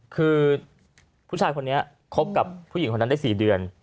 คือผู้ชายคนนี้คบกับผู้หญิงคนนั้นได้๔เดือน